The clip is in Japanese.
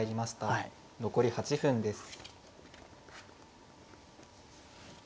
残り８分です。